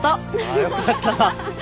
あよかった。